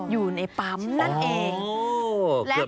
อยู่ในปั๊มนั่นเอง